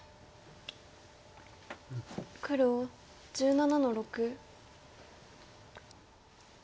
黒１７の六。